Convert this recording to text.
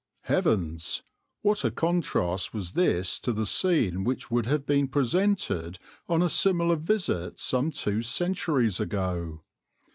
Heavens! what a contrast was this to the scene which would have been presented on a similar visit some two centuries ago!